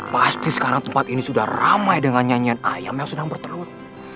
pasti sekarang tempat ini sudah ramai dengan nyanyian ayam yang sedang bertelur